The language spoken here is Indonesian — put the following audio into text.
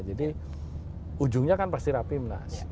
jadi ujungnya kan pasti rapim